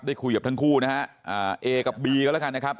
คุยกับทั้งคู่นะฮะเอกับบีก็แล้วกันนะครับ